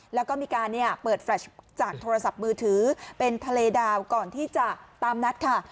แล้วก็มีการเปิดแฟลชจากโทรศัพท์มือถือเป็นทะเลดาวก่อนที่จะตามนัดค่ะ